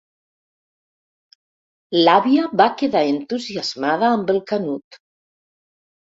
L'àvia va quedar entusiasmada amb el Canut.